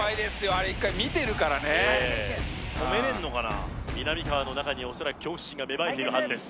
あれ１回見てるからね止めれんのかなみなみかわの中に恐らく恐怖心が芽生えてるはずです